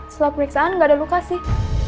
setelah periksaan gak ada luka sih